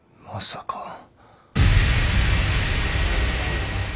まさか。